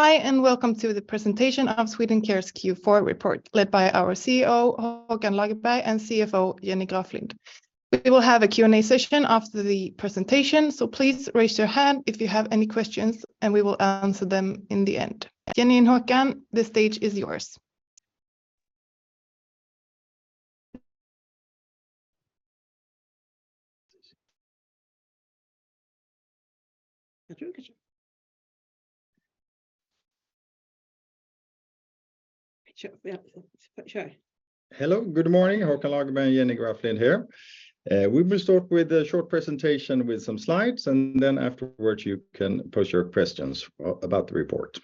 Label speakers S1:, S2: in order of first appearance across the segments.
S1: Hi, welcome to the presentation of Swedencare's Q4 report, led by our CEO Håkan Lagerberg and CFO Jenny Graflind. We will have a Q&A session after the presentation, so please raise your hand if you have any questions, and we will answer them in the end. Jenny and Håkan, the stage is yours.
S2: Hello, good morning. Håkan Lagerberg and Jenny Graflind here. We will start with a short presentation with some slides, and then afterwards you can pose your questions about the report.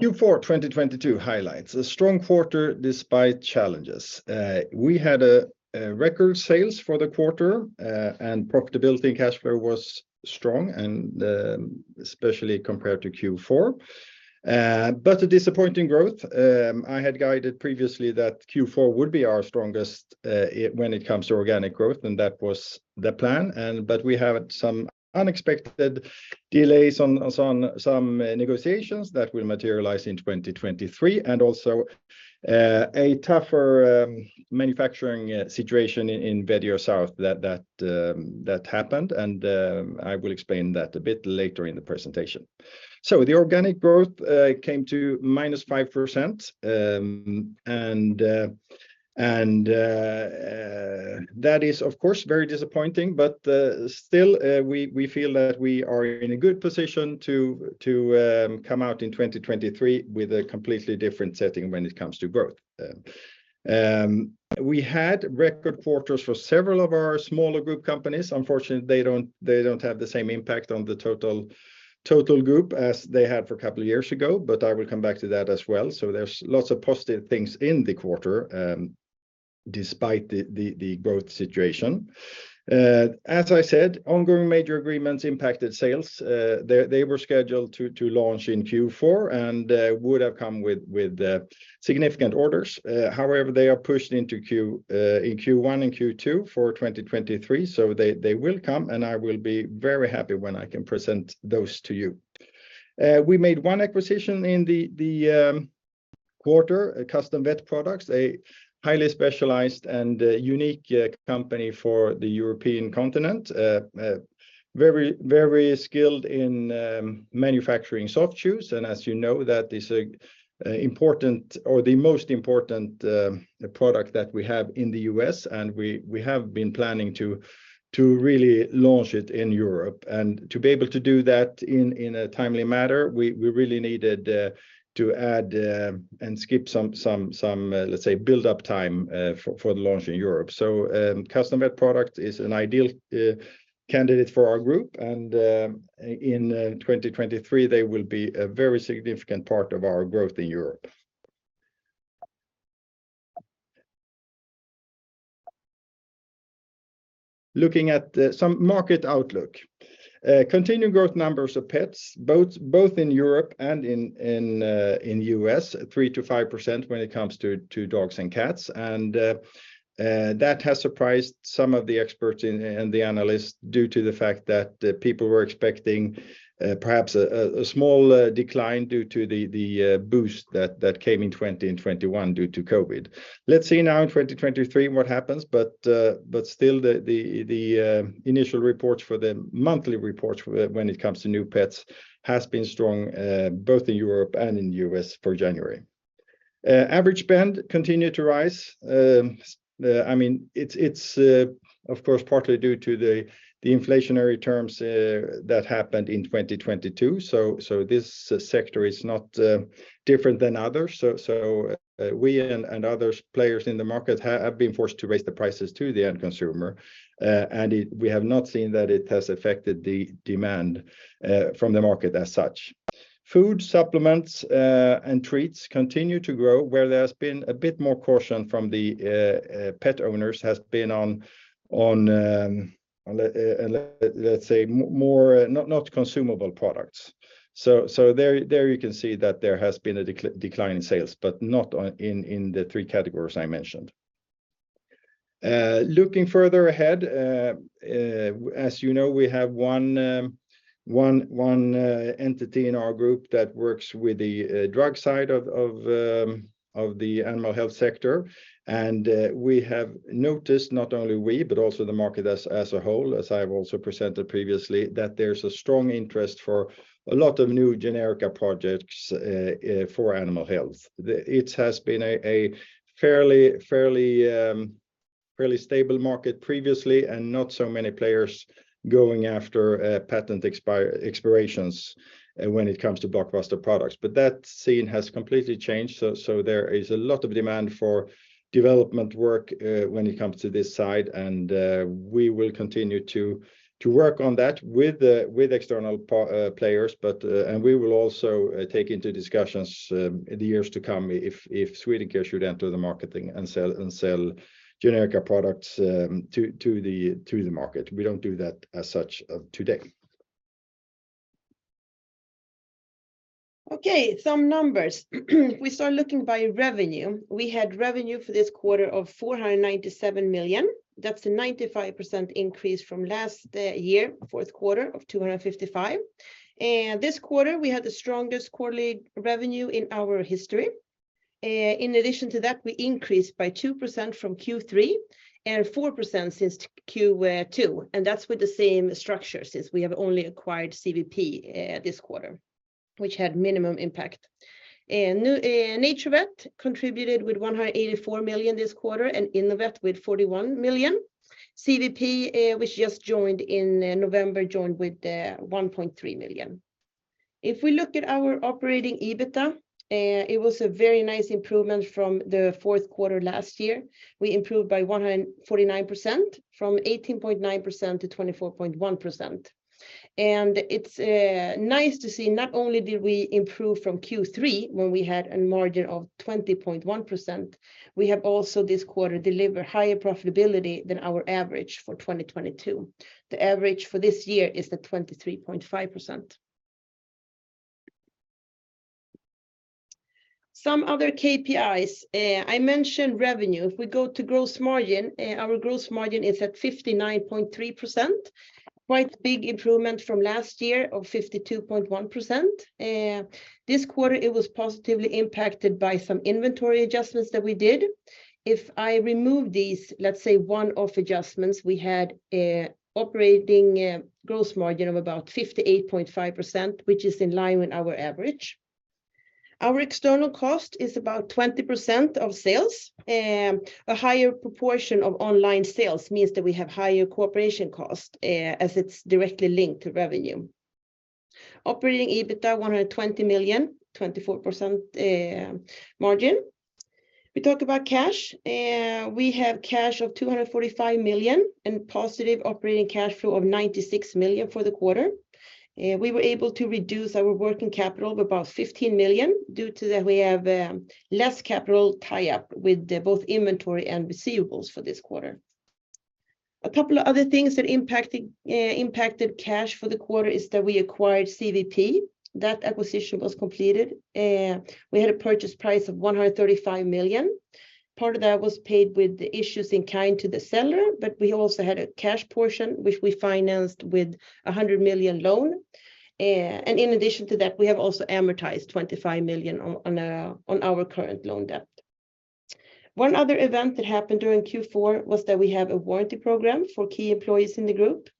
S2: Q4 2022 highlights. A strong quarter despite challenges. We had record sales for the quarter, and profitability and cash flow was strong and especially compared to Q4. A disappointing growth. I had guided previously that Q4 would be our strongest when it comes to organic growth, and that was the plan. We had some unexpected delays on some negotiations that will materialize in 2023 and also a tougher manufacturing situation in Vetio South that happened, and I will explain that a bit later in the presentation. The organic growth came to -5%, that is of course very disappointing, but still, we feel that we are in a good position to come out in 2023 with a completely different setting when it comes to growth. We had record quarters for several of our smaller group companies. Unfortunately, they don't have the same impact on the total group as they had for a couple of years ago, but I will come back to that as well. There's lots of positive things in the quarter, despite the growth situation. As I said, ongoing major agreements impacted sales. They were scheduled to launch in Q4 and would have come with significant orders. However, they are pushed into Q1 and Q2 for 2023, so they will come, and I will be very happy when I can present those to you. We made one acquisition in the quarter, Custom Vet Products, a highly specialized and unique company for the European continent. Very skilled in manufacturing Soft Chews, and as you know, that is an important or the most important product that we have in the U.S., and we have been planning to really launch it in Europe. To be able to do that in a timely manner, we really needed to add and skip some, let's say, build-up time for the launch in Europe. Custom Vet Products is an ideal candidate for our group, and in 2023, they will be a very significant part of our growth in Europe. Looking at some market outlook. Continuing growth numbers of pets both in Europe and in the U.S., 3%-5% when it comes to dogs and cats. That has surprised some of the experts and the analysts due to the fact that people were expecting perhaps a small decline due to the boost that came in 2020 and 2021 due to COVID. Let's see now in 2023 what happens. Still the initial reports for the monthly reports when it comes to new pets has been strong both in Europe and in the U.S. for January. Average spend continued to rise. I mean, it's of course, partly due to the inflationary terms that happened in 2022, so this sector is not different than others. .e and other players in the market have been forced to raise the prices to the end consumer. We have not seen that it has affected the demand from the market as such. Food supplements, and treats continue to grow, where there's been a bit more caution from the pet owners has been on, let's say, more not consumable products. There you can see that there has been a decline in sales, but not on, in the three categories I mentioned. Looking further ahead, as you know, we have one entity in our group that works with the drug side of the animal health sector. We have noticed, not only we but also the market as a whole, as I've also presented previously, that there's a strong interest for a lot of new generics projects for animal health. It has been a fairly, fairly stable market previously, and not so many players going after patent expirations when it comes to blockbuster products. That scene has completely changed, there is a lot of demand for development work when it comes to this side, we will continue to work on that with external players. We will also take into discussions in the years to come if Swedencare should enter the marketing and sell generics products to the market. We don't do that as such today.
S3: Okay, some numbers. We start looking by revenue. We had revenue for this quarter of 497 million. That's a 95% increase from last year, fourth quarter, of 255. This quarter, we had the strongest quarterly revenue in our history. In addition to that, we increased by 2% from Q3 and 4% since Q2, and that's with the same structure since we have only acquired CVP this quarter, which had minimum impact. NaturVet contributed with 184 million this quarter and Innovet with 41 million. CVP, which just joined in November, joined with 1.3 million. If we look at our operating EBITDA, it was a very nice improvement from the fourth quarter last year. We improved by 149% from 18.9%-24.1%. It's nice to see not only did we improve from Q3 when we had a margin of 20.1%, we have also this quarter delivered higher profitability than our average for 2022. The average for this year is the 23.5%. Some other KPIs. I mentioned revenue. If we go to gross margin, our gross margin is at 59.3%. Quite big improvement from last year of 52.1%. This quarter, it was positively impacted by some inventory adjustments that we did. If I remove these, let's say, one-off adjustments, we had a operating gross margin of about 58.5%, which is in line with our average. Our external cost is about 20% of sales, a higher proportion of online sales means that we have higher cooperation cost, as it's directly linked to revenue. Operating EBITDA 120 million, 24% margin. We talk about cash, we have cash of 245 million and positive operating cash flow of 96 million for the quarter. We were able to reduce our working capital of about 15 million due to that we have less capital tie-up with the both inventory and receivables for this quarter. A couple of other things that impacted cash for the quarter is that we acquired CVP. That acquisition was completed, we had a purchase price of 135 million. Part of that was paid with the issues in kind to the seller. We also had a cash portion which we financed with a 100 million loan. In addition to that, we have also amortized 25 million on our current loan debt. One other event that happened during Q4 was that we have a warranty program for key employees in the group.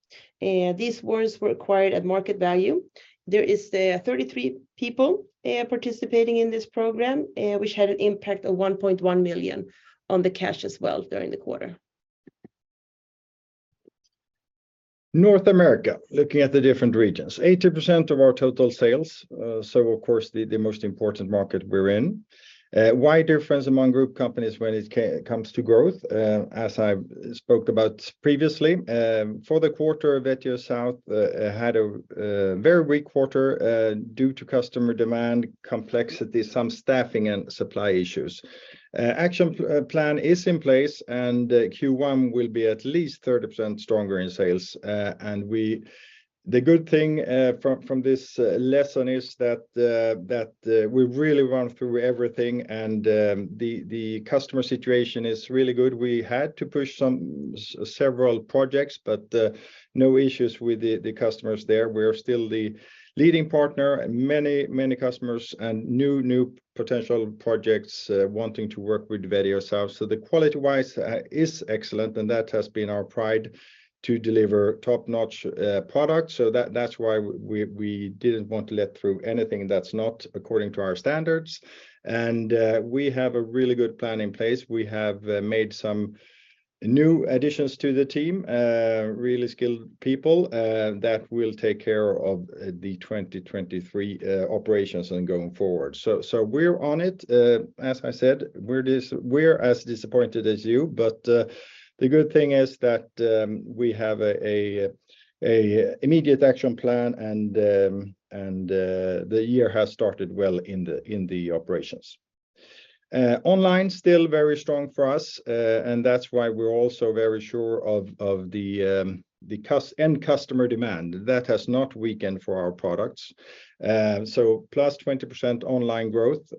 S3: These warrants were acquired at market value. There is 33 people participating in this program, which had an impact of 1.1 million on the cash as well during the quarter.
S2: North America, looking at the different regions. 80% of our total sales, so of course, the most important market we're in. Wide difference among group companies when it comes to growth, as I spoke about previously. For the quarter, Vetio South had a very weak quarter due to customer demand complexity, some staffing and supply issues. Action plan is in place, and Q1 will be at least 30% stronger in sales. The good thing from this lesson is that we've really run through everything and the customer situation is really good. We had to push some several projects, but no issues with the customers there. We're still the leading partner and many customers and new potential projects wanting to work with Vetio South. The quality-wise is excellent, and that has been our pride to deliver top-notch products. That's why we didn't want to let through anything that's not according to our standards. We have a really good plan in place. We have made some new additions to the team, really skilled people that will take care of the 2023 operations and going forward. We're on it. As I said, we're as disappointed as you. The good thing is that we have a immediate action plan and the year has started well in the operations. Online still very strong for us. That's why we're also very sure of the end customer demand. That has not weakened for our products. Plus 20% online growth,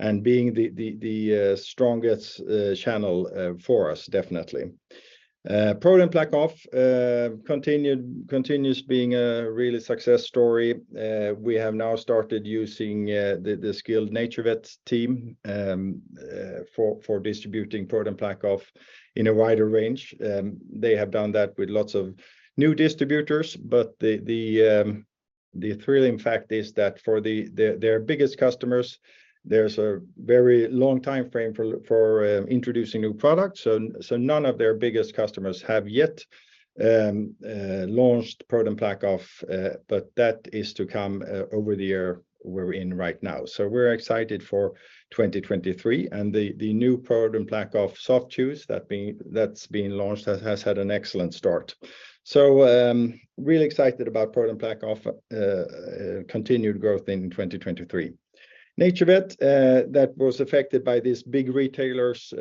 S2: and being the strongest channel for us, definitely. ProDen PlaqueOff continues being a really success story. We have now started using the skilled NaturVet team for distributing ProDen PlaqueOff in a wider range. They have done that with lots of new distributors. The thrilling fact is that for their biggest customers, there's a very long timeframe for introducing new products. None of their biggest customers have yet launched ProDen PlaqueOff, but that is to come over the year we're in right now. We're excited for 2023. The new ProDen PlaqueOff soft chews that's being launched has had an excellent start. Really excited about ProDen PlaqueOff continued growth in 2023. NaturVet that was affected by these big retailers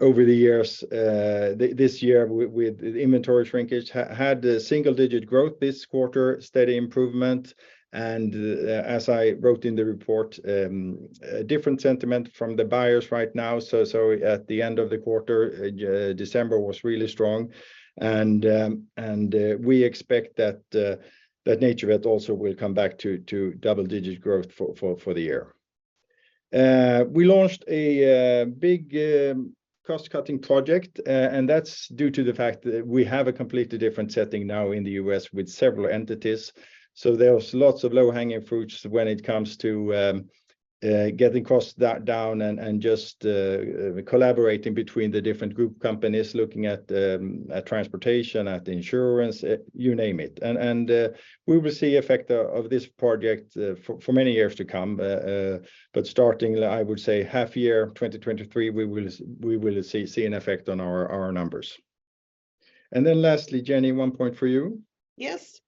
S2: over the years this year with inventory shrinkage had a single-digit growth this quarter, steady improvement. As I wrote in the report, different sentiment from the buyers right now. At the end of the quarter, December was really strong. We expect that NaturVet also will come back to double-digit growth for the year. We launched a big cost-cutting project, and that's due to the fact that we have a completely different setting now in the U.S. with several entities. There's lots of low-hanging fruits when it comes to getting costs down and just collaborating between the different group companies, looking at transportation, at insurance, you name it. We will see effect of this project for many years to come. Starting, I would say, half year 2023, we will see an effect on our numbers. Lastly, Jenny, one point for you?
S3: Yes.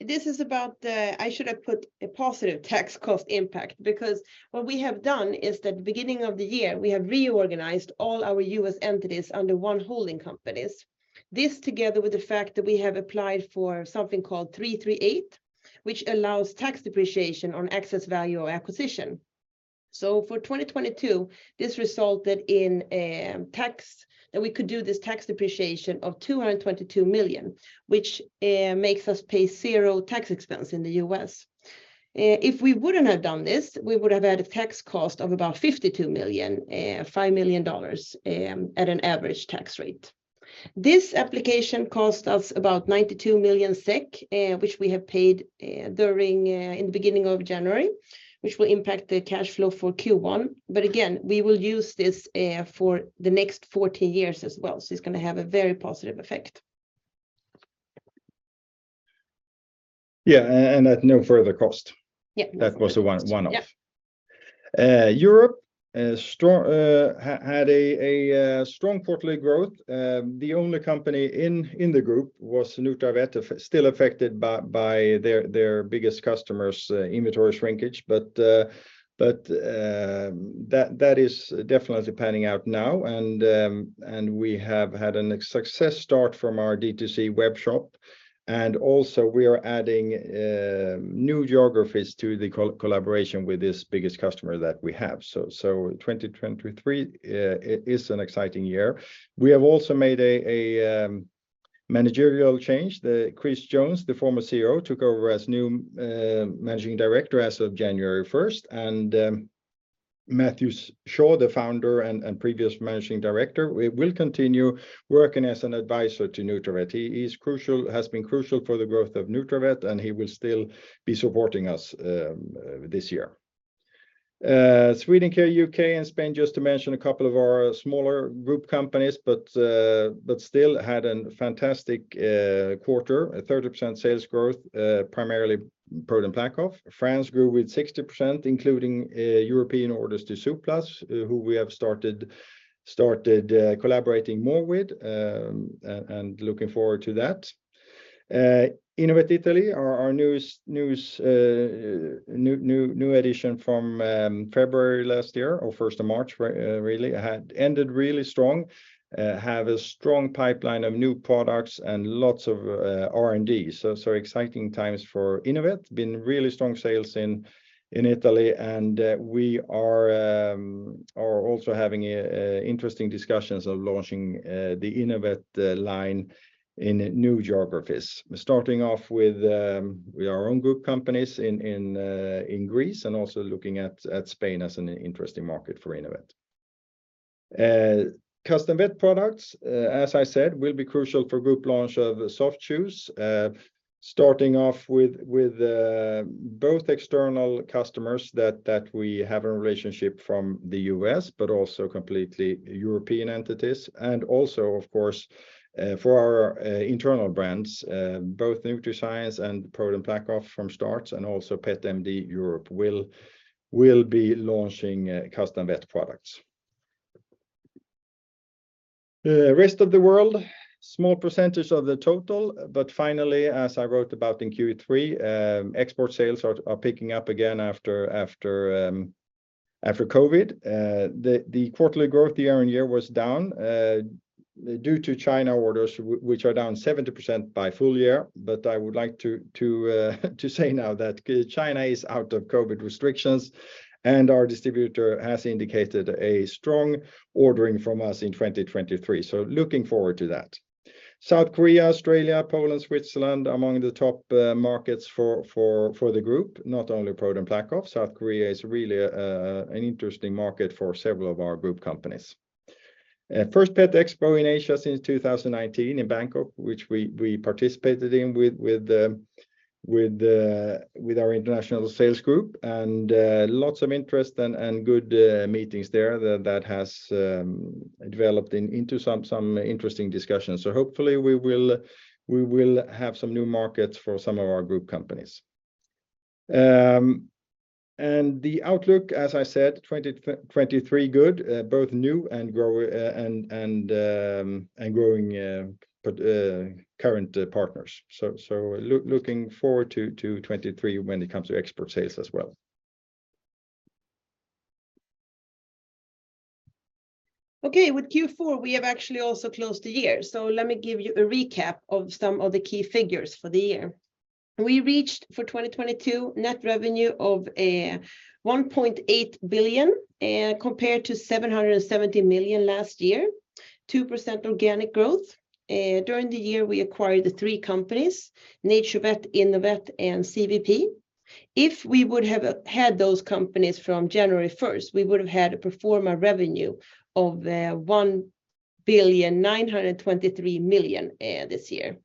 S3: This is about the I should have put a positive tax cost impact, because what we have done is that beginning of the year, we have reorganized all our U.S. entities under one holding companies. This, together with the fact that we have applied for something called Section 338 election, which allows tax depreciation on excess value or acquisition. For 2022, this resulted in that we could do this tax depreciation of $222 million, which makes us pay zero tax expense in the U.S. If we wouldn't have done this, we would have had a tax cost of about $52 million, $5 million dollars, at an average tax rate. This application cost us about 92 million SEK, which we have paid during in the beginning of January, which will impact the cash flow for Q1. Again, we will use this, for the next 40 years as well. It's gonna have a very positive effect.
S2: Yeah. At no further cost.
S3: Yeah.
S2: That was a one-off.
S3: Yeah.
S2: Europe, strong quarterly growth. The only company in the group was nutravet, still affected by their biggest customer's inventory shrinkage. That is definitely panning out now, and we have had an success start from our D2C web shop. And also, we are adding new geographies to the collaboration with this biggest customer that we have. 2023, it is an exciting year. We have also made a managerial change. Chris Jones, the former CEO, took over as new Managing Director as of January first. Matthew Shaw, the founder and previous Managing Director, will continue working as an advisor to nutravet. He is crucial, has been crucial for the growth of nutravet, and he will still be supporting us this year. Swedencare U.K. and Spain, just to mention a couple of our smaller group companies, but still had an fantastic quarter, a 30% sales growth, primarily ProDen PlaqueOff. France grew with 60%, including European orders to Suplas, who we have started collaborating more with. Looking forward to that. Innovet Italy, our newest addition from February last year, or 1st of March really, had ended really strong. Have a strong pipeline of new products and lots of R&D. Exciting times for Innovet. Been really strong sales in Italy, and we are also having interesting discussions of launching the Innovet line in new geographies, starting off with our own group companies in Greece and also looking at Spain as an interesting market for Innovet. Custom Vet Products, as I said, will be crucial for group launch of Soft Chews. Starting off with both external customers that we have a relationship from the U.S., but also completely European entities, and also, of course, for our internal brands, both NutriScience and ProDen PlaqueOff from start and also PetMD Europe will be launching Custom Vet Products. Rest of the world, small percentage of the total, finally, as I wrote about in Q3, export sales are picking up again after COVID. The quarterly growth year-on-year was down due to China orders, which are down 70% by full year. I would like to say now that China is out of COVID restrictions, and our distributor has indicated a strong ordering from us in 2023. Looking forward to that. South Korea, Australia, Poland, Switzerland among the top markets for the group, not only ProDen PlaqueOff. South Korea is really an interesting market for several of our group companies. First Pet Expo in Asia since 2019 in Bangkok, which we participated in with our international sales group, lots of interest and good meetings there that has developed into some interesting discussions. Hopefully, we will have some new markets for some of our group companies. The outlook, as I said, 2023 good, both new and growing, but current partners. Looking forward to 2023 when it comes to export sales as well.
S3: Okay. With Q4, we have actually also closed the year. Let me give you a recap of some of the key figures for the year. We reached, for 2022, net revenue of 1.8 billion compared to 770 million last year, 2% organic growth. During the year, we acquired the three companies, NaturVet, Innovet, and CVP. If we would have had those companies from January 1st, we would have had a pro forma revenue of 1.923 billion this year.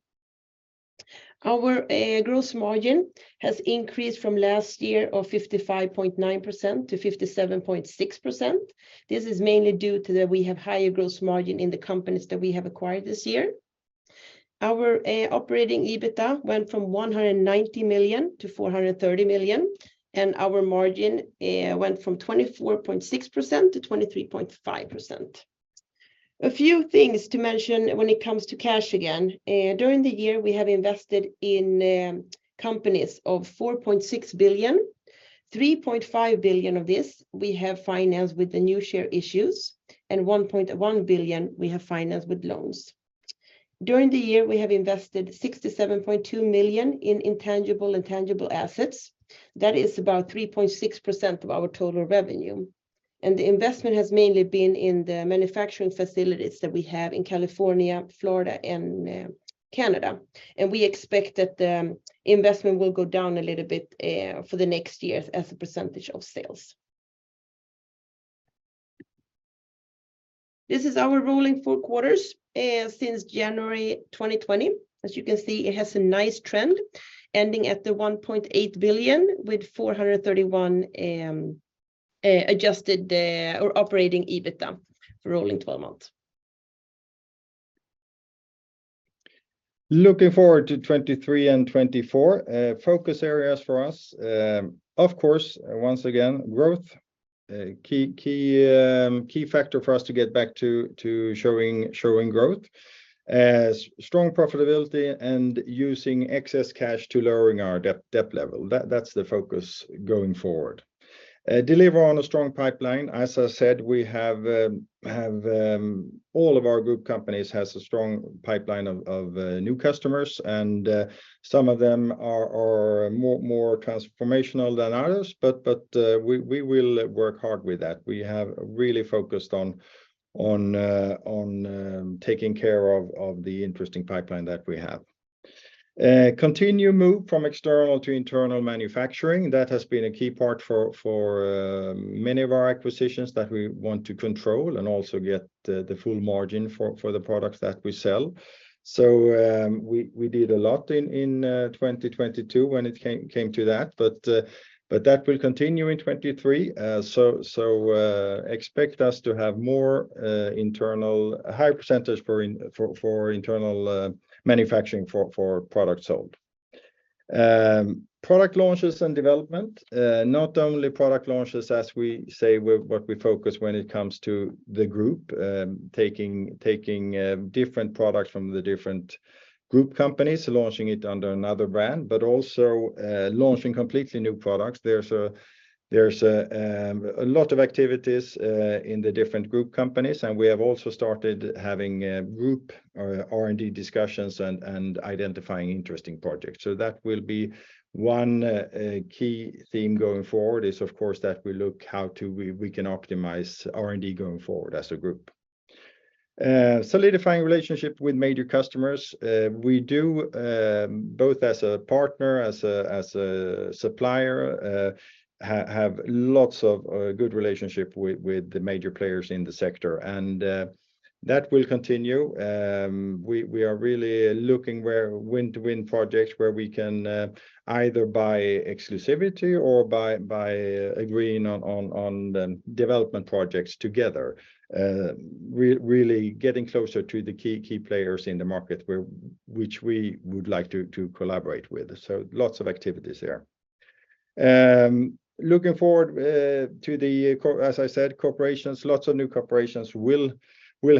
S3: Our gross margin has increased from last year of 55.9% to 57.6%. This is mainly due to that we have higher gross margin in the companies that we have acquired this year. Our operating EBITA went from 190 million to 430 million, and our margin went from 24.6% to 23.5%. A few things to mention when it comes to cash again. During the year, we have invested in companies of 4.6 billion. 3.5 billion of this we have financed with the new share issues, and 1.1 billion we have financed with loans. During the year, we have invested 67.2 million in intangible and tangible assets. That is about 3.6% of our total revenue, and the investment has mainly been in the manufacturing facilities that we have in California, Florida, and Canada. We expect that the investment will go down a little bit for the next years as a percentage of sales. This is our rolling four quarters, since January 2020. As you can see, it has a nice trend, ending at 1.8 billion with 431, adjusted or operating EBITA for rolling 12 months.
S2: Looking forward to 2023 and 2024, focus areas for us, of course, once again, growth. A key factor for us to get back to showing growth. Strong profitability and using excess cash to lowering our debt level. That's the focus going forward. Deliver on a strong pipeline. As I said, we have. All of our group companies has a strong pipeline of new customers, and some of them are more transformational than others. We will work hard with that. We have really focused on taking care of the interesting pipeline that we have. Continue move from external to internal manufacturing. That has been a key part for many of our acquisitions that we want to control and also get the full margin for the products that we sell. We did a lot in 2022 when it came to that. That will continue in 2023. Expect us to have more internal, high percentage for internal manufacturing for products sold. Product launches and development. Not only product launches, as we say, what we focus when it comes to the group, taking different products from the different group companies, launching it under another brand, but also launching completely new products. There's a lot of activities in the different group companies, and we have also started having group R&D discussions and identifying interesting projects. That will be one key theme going forward is, of course, that we look how to we can optimize R&D going forward as a group. Solidifying relationship with major customers. We do both as a partner, as a supplier, have lots of good relationship with the major players in the sector, and that will continue. We are really looking where win-to-win projects where we can either buy exclusivity or buy agreeing on development projects together, really getting closer to the key players in the market where which we would like to collaborate with. Lots of activities there. Looking forward to the as I said, corporations, lots of new corporations will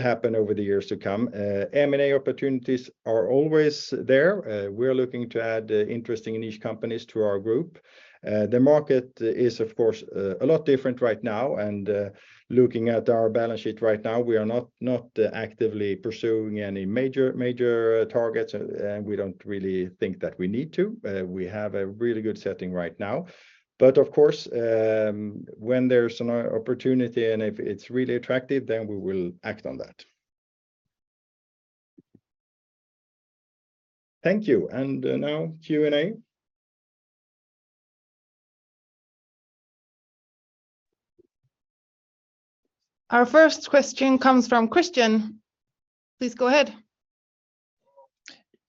S2: happen over the years to come. M&A opportunities are always there. We're looking to add interesting niche companies to our group. The market is, of course, a lot different right now. Looking at our balance sheet right now, we are not actively pursuing any major targets, and we don't really think that we need to. We have a really good setting right now. Of course, when there's an opportunity and if it's really attractive, then we will act on that. Thank you. Now Q&A.
S1: Our first question comes from Christian. Please go ahead.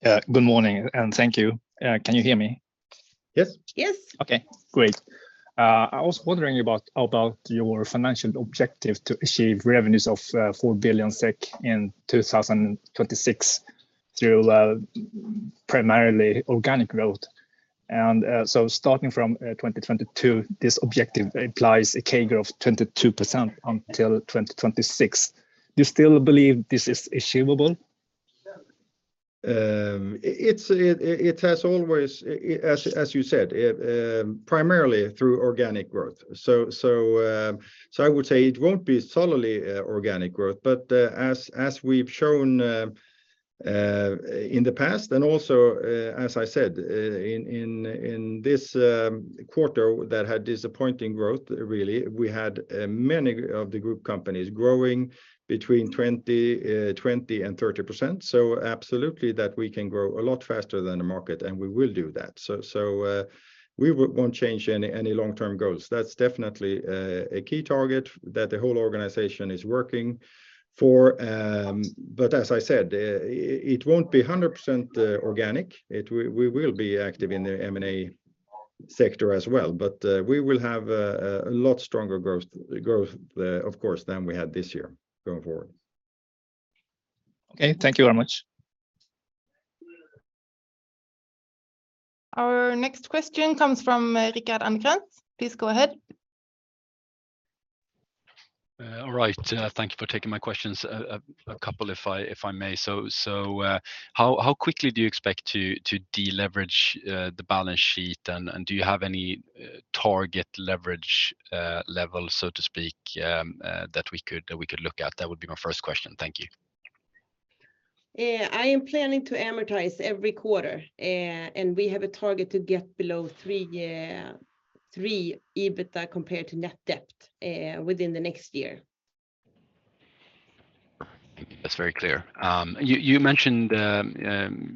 S4: Yeah, good morning, and thank you. Can you hear me?
S2: Yes.
S3: Yes.
S4: Okay, great. I was wondering about your financial objective to achieve revenues of 4 billion SEK in 2026 through primarily organic growth. Starting from 2022, this objective implies a CAGR of 22% until 2026. Do you still believe this is achievable?
S2: It has always, as you said, primarily through organic growth. So I would say it won't be solely organic growth. As we've shown in the past, and also as I said in this quarter that had disappointing growth, really, we had many of the group companies growing between 20% and 30%. Absolutely that we can grow a lot faster than the market, and we will do that. We won't change any long-term goals. That's definitely a key target that the whole organization is working for. But as I said, it won't be 100% organic. We will be active in the M&A sector as well. We will have a lot stronger growth, of course, than we had this year going forward.
S4: Okay. Thank you very much.
S1: Our next question comes from Rickard Anderkrans. Please go ahead.
S5: All right. Thank you for taking my questions. A couple if I may. How quickly do you expect to deleverage the balance sheet and do you have any target leverage level, so to speak, that we could look at? That would be my first question. Thank you.
S3: I am planning to amortize every quarter. We have a target to get below 3 EBITDA compared to net debt within the next year.
S5: Thank you. That's very clear. You mentioned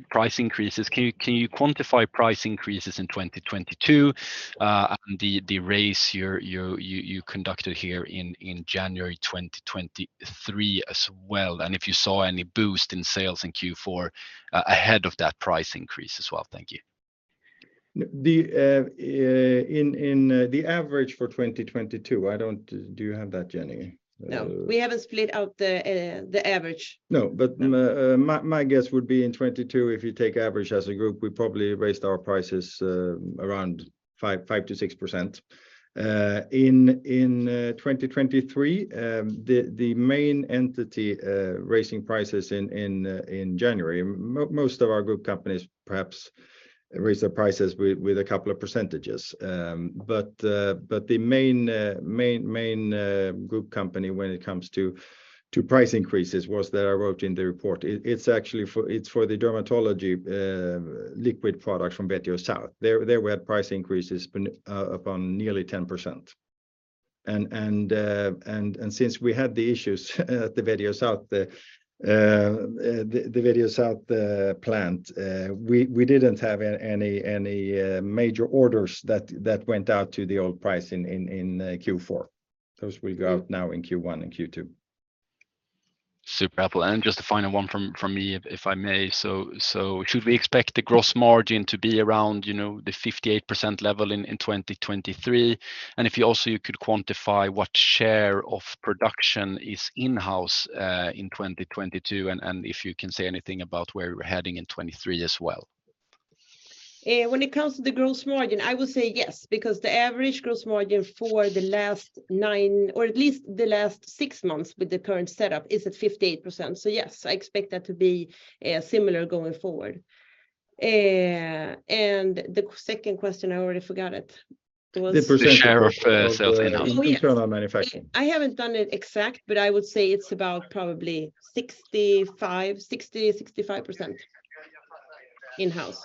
S5: price increases. Can you quantify price increases in 2022 and the raise you conducted here in January 2023 as well, and if you saw any boost in sales in Q4 ahead of that price increase as well? Thank you.
S2: The average for 2022, do you have that, Jenny?
S3: No. We haven't split out the average.
S2: No. My guess would be in 2022, if you take average as a group, we probably raised our prices around 5%-6%. In 2023, the main entity raising prices in January, most of our group companies perhaps raised their prices with a couple of percentages. The main group company when it comes to price increases was there, I wrote in the report, it's actually for the dermatology liquid products from Vetio South. There were price increases been upon nearly 10%. Since we had the issues at the Vetio South, the Vetio South plant, we didn't have any major orders that went out to the old price in Q4. Those will go out now in Q1 and Q2.
S5: Super helpful. Just the final one from me, if I may. Should we expect the gross margin to be around, you know, the 58% level in 2023? If you also could quantify what share of production is in-house in 2022, and if you can say anything about where we're heading in 2023 as well?
S3: When it comes to the gross margin, I would say yes, because the average gross margin for the last nine, or at least the last six months with the current setup, is at 58%. Yes, I expect that to be similar going forward. The second question, I already forgot it.
S2: The percentage of-
S5: The share of sales in-house.
S2: internal manufacturing.
S3: Oh, yes. I haven't done it exact, but I would say it's about probably 65% in-house.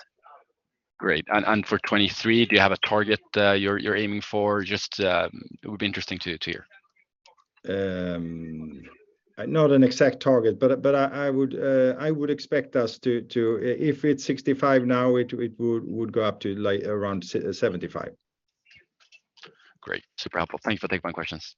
S5: Great. For 2023, do you have a target, you're aiming for? Just, it would be interesting to hear.
S2: Not an exact target, but I would expect us to...f it's 65 now, it would go up to like around 75.
S5: Great. Super helpful. Thank you for taking my questions.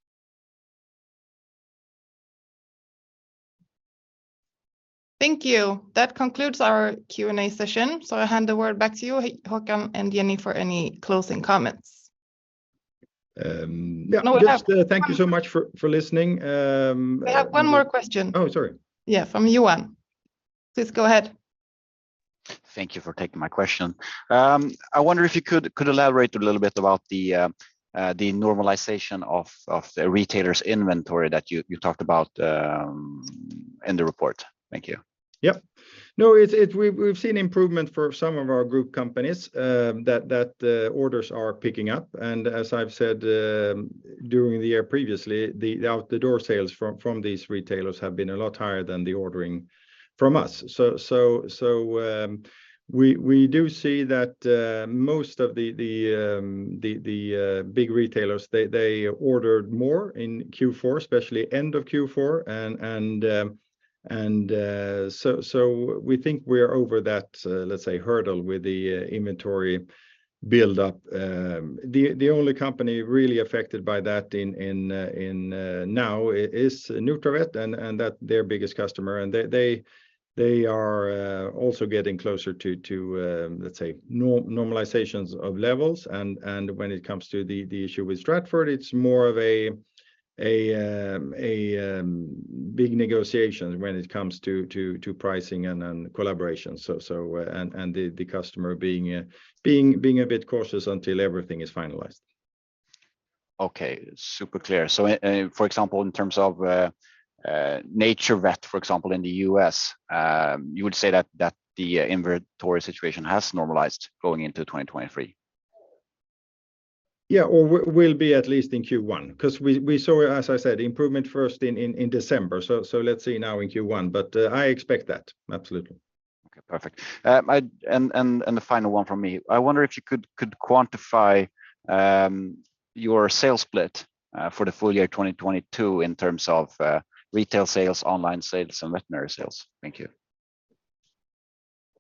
S1: Thank you. That concludes our Q&A session. I hand the word back to you, Håkan and Jenny, for any closing comments.
S2: Um, yeah-
S1: No, we have.
S2: Thank you so much for listening.
S1: We have one more question.
S2: Oh, sorry.
S1: Yeah, from Johan. Please go ahead.
S6: Thank you for taking my question. I wonder if you could elaborate a little bit about the normalization of the retailer's inventory that you talked about in the report? Thank you.
S2: Yep. No, it's We've seen improvement for some of our group companies, that orders are picking up. As I've said, during the year previously, the out the door sales from these retailers have been a lot higher than the ordering from us. We do see that most of the big retailers, they ordered more in Q4, especially end of Q4 and, so we think we're over that, let's say hurdle with the inventory build up. The only company really affected by that in now is Nutravet. and that their biggest customer, and they are also getting closer to normalizations of levels and when it comes to the issue with Stratford, it's more of a big negotiation when it comes to pricing and collaboration. The customer being a bit cautious until everything is finalized.
S6: Okay. Super clear. NaturVet, for example, in the U.S., you would say that the inventory situation has normalized going into 2023?
S2: Yeah. Will be at least in Q1, 'cause we saw, as I said, improvement first in December. Let's see now in Q1, but I expect that. Absolutely.
S6: Okay. Perfect. The final one from me. I wonder if you could quantify your sales split for the full year 2022 in terms of retail sales, online sales, and veterinary sales. Thank you.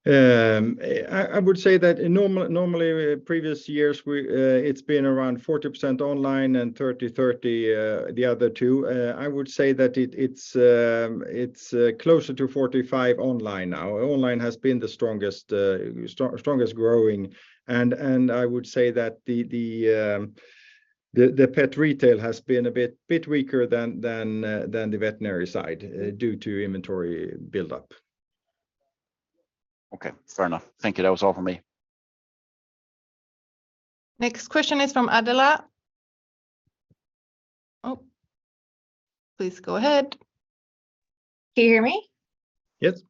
S2: I would say that in normally previous years, we, it's been around 40% online and 30/30, the other two. I would say that it's closer to 45% online now. Online has been the strongest growing and I would say that the pet retail has been a bit weaker than the veterinary side due to inventory buildup.
S6: Okay. Fair enough. Thank you. That was all for me.
S1: Next question is from Adela. Please go ahead.
S7: Can you hear me?
S2: Yes.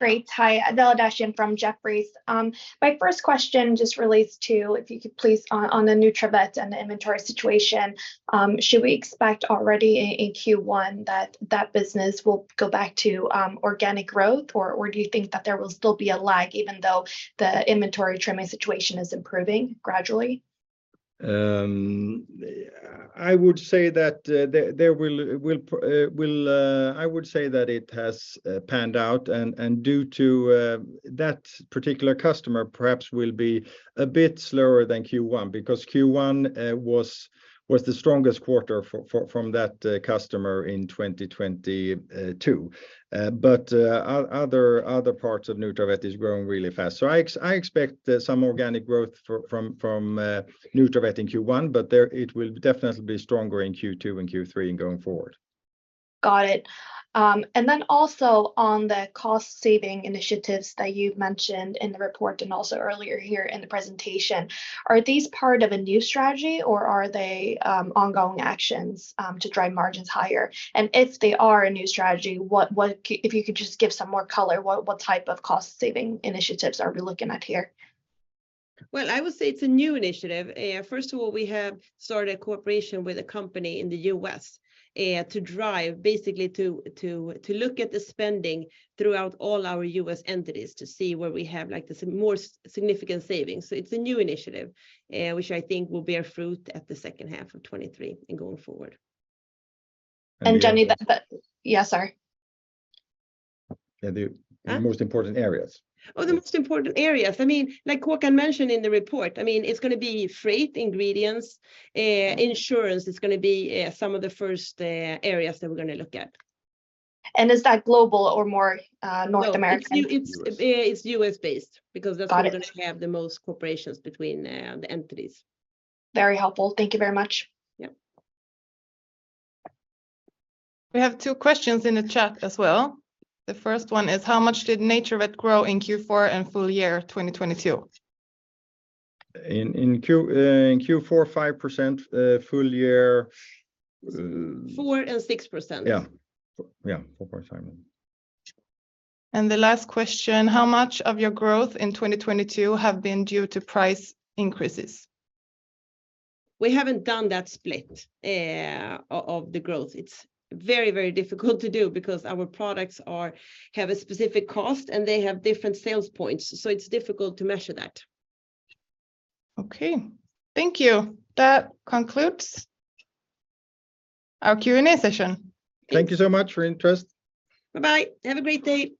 S7: Great. Hi. Adela Dashian from Jefferies. My first question just relates to, if you could please, on the NaturVet and the inventory situation, should we expect already in Q1 that business will go back to organic growth? Or do you think that there will still be a lag even though the inventory trimming situation is improving gradually?
S2: I would say that it has panned out and due to that particular customer perhaps will be a bit slower than Q1 because Q1 was the strongest quarter from that customer in 2022. Other parts of Nutri-Vet is growing really fast. I expect some organic growth from Nutri-Vet in Q1, but there, it will definitely be stronger in Q2 and Q3 and going forward.
S7: Got it. Also on the cost saving initiatives that you've mentioned in the report and also earlier here in the presentation, are these part of a new strategy or are they ongoing actions to drive margins higher? If they are a new strategy, if you could just give some more color, what type of cost saving initiatives are we looking at here?
S3: I would say it's a new initiative. First of all, we have started cooperation with a company in the U.S. to drive basically to look at the spending throughout all our U.S. entities to see where we have, like, the more significant savings. It's a new initiative which I think will bear fruit at the second half of 2023 and going forward.
S7: Jenny.
S2: the.
S7: Yes, sorry.
S2: Yeah.
S3: Huh?
S2: the most important areas.
S3: The most important areas. I mean, like Håkan mentioned in the report, I mean, it's gonna be freight, ingredients, insurance. It's gonna be some of the first areas that we're gonna look at.
S7: Is that global or more, North American?
S3: No, it's.
S2: U.S.
S3: it's U.S. based because.
S7: Got it.
S3: where we have the most corporations between the entities.
S7: Very helpful. Thank you very much.
S3: Yep.
S1: We have two questions in the chat as well. The first one is, how much did Nutri-Vet grow in Q4 and full year 2022?
S2: In Q4, 5%, full year.
S3: 4% and 6%.
S2: Yeah. yeah, 4.6.
S1: The last question, how much of your growth in 2022 have been due to price increases?
S3: We haven't done that split of the growth. It's very difficult to do because our products have a specific cost and they have different sales points, so it's difficult to measure that.
S1: Okay. Thank you. That concludes our Q&A session.
S2: Thank you so much for interest.
S3: Bye-bye. Have a great day.